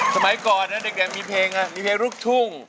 สมัยก่อนนะเด็กมีเพลงลุกทุ่ง